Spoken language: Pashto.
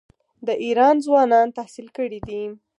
د ایران ځوانان تحصیل کړي دي.